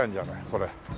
これ。